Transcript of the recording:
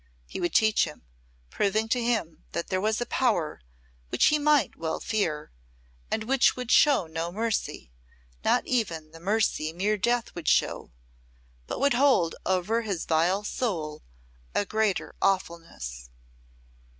He would teach him, proving to him that there was a power which he might well fear, and which would show no mercy, not even the mercy mere death would show, but would hold over his vile soul a greater awfulness.